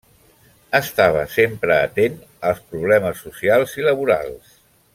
Estava sempre atent als problemes socials i laborals.